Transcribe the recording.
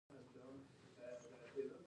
جګړه د انسان ذهن له سولې لیرې کوي